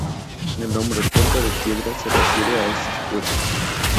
El nombre "puerta de piedra" se refiere a estas puertas.